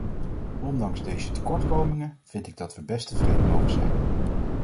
Ondanks deze tekortkomingen vind ik dat we best tevreden mogen zijn.